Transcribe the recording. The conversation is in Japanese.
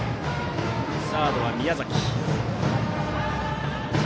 サードは宮崎。